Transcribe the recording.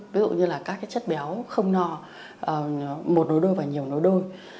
ví dụ như các chất béo không no một nối đôi và nhiều nối đôi